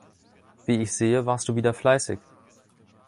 Wie ich sehe, warst du wieder fleißig.